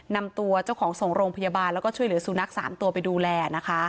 นำตัวเจ้าของส่งโรงพยาบาลแล้วก็ช่วยเหลือสุนัข๓ตัวไปดูแลนะคะ